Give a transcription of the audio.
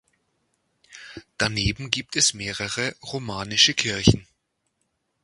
Daneben gibt es mehrere romanische Kirchen.